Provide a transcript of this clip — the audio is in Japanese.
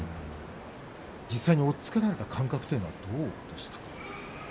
実際に押っつけられた感覚というのはどうでしたか。